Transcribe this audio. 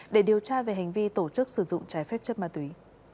để điều tra về hành vi tổ chức sử dụng trái phép chất ma túy